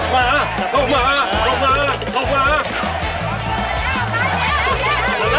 มาครับ